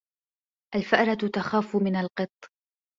الْفَأْرَةُ تَخَافُ مِنَ الْقِطِّ.